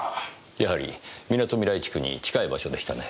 やはりみなとみらい地区に近い場所でしたね。